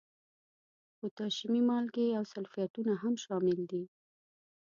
پوتاشیمي مالګې او سلفیټونه هم شامل دي.